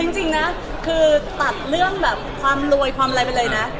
จริงนะคือตัดเรื่องแบบความรวยความอะไรไปเลยนะ